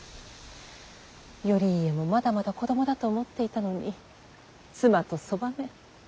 頼家もまだまだ子供だと思っていたのに妻とそばめ。